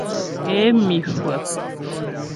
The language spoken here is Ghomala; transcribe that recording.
Ě mi hwə̂.